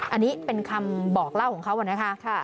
อันนี้เป็นคำบอกเล่าของเขานะคะ